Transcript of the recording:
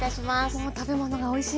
もう食べ物がおいしい